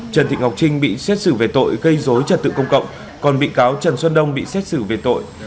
trần thị ngọc trinh bị xét xử về tội gây dối trật tự công cộng còn bị cáo trần xuân đông bị xét xử về tội